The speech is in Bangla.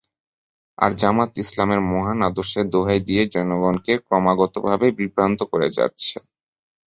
আর জামায়াত ইসলামের মহান আদর্শের দোহাই দিয়ে জনগণকে ক্রমাগতভাবে বিভ্রান্ত করে যাচ্ছে।